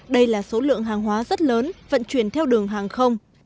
đây là số lượng hàng hóa rất lớn vận chuyển theo đường hàng không